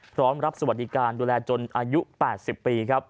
พร้อมรับสวัสดิการดูแลจนอายุ๘๐ปีครับ